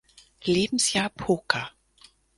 Lebensjahr Poker.